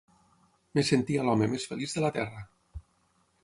Em sentia l'home més feliç de la terra.